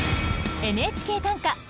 「ＮＨＫ短歌」